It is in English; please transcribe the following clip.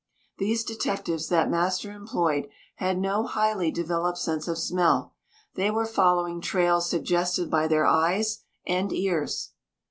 These detectives that master employed had no highly developed sense of smell. They were following trails suggested by their eyes and ears.